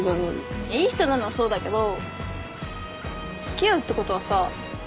いい人なのはそうだけど付き合うってことはさ